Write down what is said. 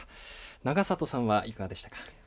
永里さんは、いかがでしたか。